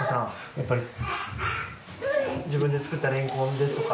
やっぱり自分で作ったレンコンですとか。